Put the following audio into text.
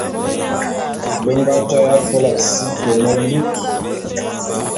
Be nga jaé afôla si te ne lut.